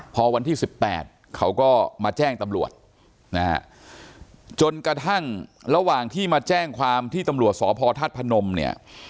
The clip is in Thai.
พอวันที่๑๘เขาก็มาแจ้งตำรวจนะฮะจนกระทั่งระหว่างที่มาแจ้งความที่ตำรวจสพธาตุพนมเนี่ย